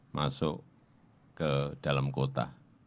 masuk ke dalam kota